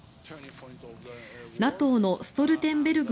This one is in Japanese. ＮＡＴＯのストルテンベルグ